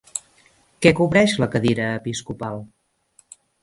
Què cobreix la cadira episcopal?